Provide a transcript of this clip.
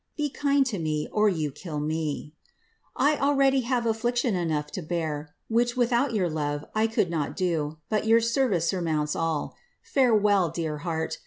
Be kind to me, or you kill me !I have already affliction enough to bear, which, without your love, I could Bot do, but your service surmounts all. Farewell, dear heart